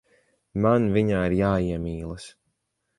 Man viņā ir jāiemīlas.